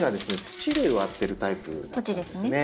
土で植わってるタイプなんですね。